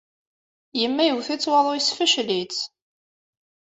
Yemma iwet-itt waḍu, yessefcel-itt.